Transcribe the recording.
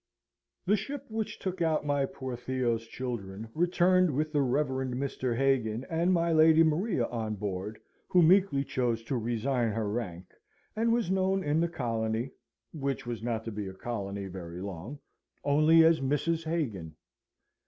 The ship which took out my poor Theo's children, returned with the Reverend Mr. Hagan and my Lady Maria on board, who meekly chose to resign her rank, and was known in the colony (which was not to be a colony very long) only as Mrs. Hagan.